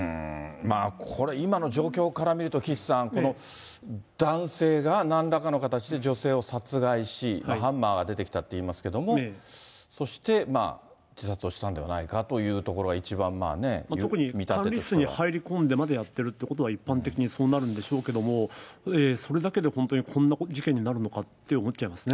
これ、今の状況から見ると、岸さん、この男性がなんらかの形で女性を殺害し、ハンマーが出てきたっていいますけど、そして、自殺をしたんではないかというところが一番、見立てとしては。特に管理室に入り込んでまでやってるということは、一般的にそうなるんでしょうけれども、それだけで本当に、こんな事件になるのかって思っちゃいますね。